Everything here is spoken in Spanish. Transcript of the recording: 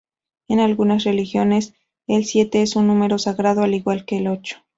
En algunas religiones el siete es un número sagrado al igual que el ocho.